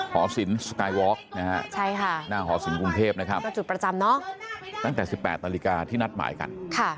หอสินสไกลวอคนะครับหน้าหอสินกรุงเทพนะครับตั้งแต่๑๘นาฬิกาที่นัดหมายกัน